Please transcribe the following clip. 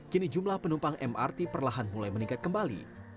kini jumlah penumpang mrt perlahan mulai meningkat kembali